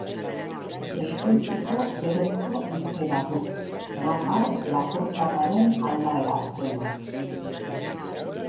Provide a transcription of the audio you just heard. Beskoitzeko berezko hizkera du, nafar-lapurtarraren aldaera dena.